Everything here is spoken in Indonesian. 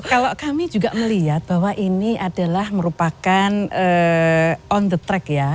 kalau kami juga melihat bahwa ini adalah merupakan on the track ya